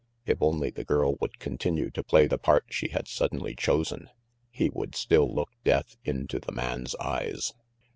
If only the girl would continue to play the part she had suddenly chosen, he would still look Death into the man's eyes.